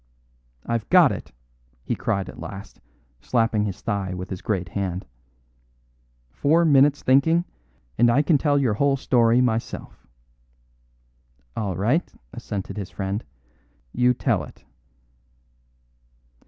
"I've got it," he cried at last, slapping his thigh with his great hand. "Four minutes' thinking, and I can tell your whole story myself." "All right," assented his friend. "You tell it."